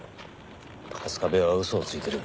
春日部は嘘をついている。